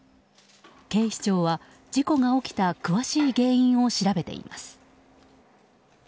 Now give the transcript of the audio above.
警視庁は事故が起きた詳しい原因を調べています。